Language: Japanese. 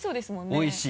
おいしい。